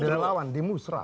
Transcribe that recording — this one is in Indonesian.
di relawan di musra